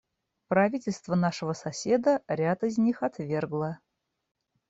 Правительство нашего соседа ряд из них отвергло.